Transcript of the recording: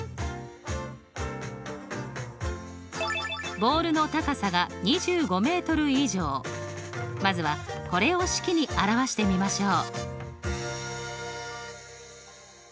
ボールの高さが２５以上まずはこれを式に表してみましょう。